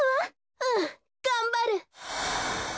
うんがんばる！